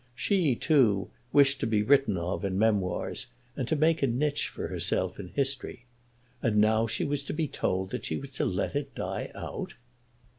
She, too, wished to be written of in memoirs, and to make a niche for herself in history. And now she was told that she was to let it "die out!"